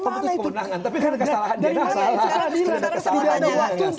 itu keputusan pemenangan tapi kan kesalahan dia